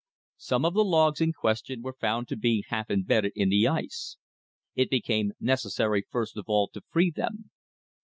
Some of the logs in question were found to be half imbedded in the ice. It became necessary first of all to free them.